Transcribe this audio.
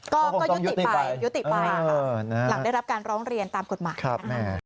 ก็ยุติไปหลังได้รับการร้องเรียนตามกฎหมาย